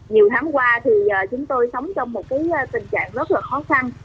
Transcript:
nhiều tháng qua thì chúng tôi sống trong một tình trạng rất là khó khăn